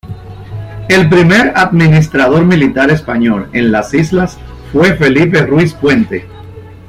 El primer administrador militar español en las islas fue Felipe Ruiz Puente.